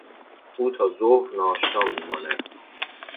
او تا ظهر ناشتا میماند.